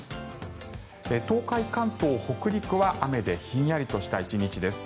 東海、関東、北陸は雨でひんやりとした１日です。